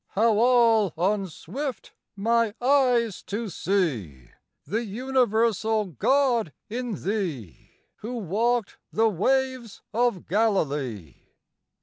How all unswift my eyes to see The universal God in Thee, Who walked the waves of Galilee!